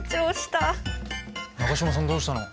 中島さんどうしたの？